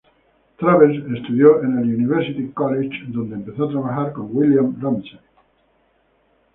Travers estudió en el University College, donde empezó a trabajar con William Ramsay.